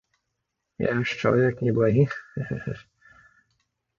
Я ж чалавек неблагі, хе-хе-хе.